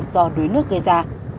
do đuối nước gây ra